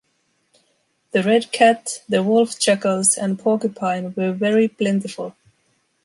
The red cat, the wolf-jackals, and porcupine were very plentiful.